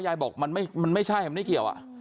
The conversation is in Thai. ยายบอกมันไม่ใช่มันไม่เกี่ยวอ่ะ